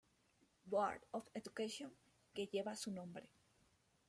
Board of Education" que lleva su nombre.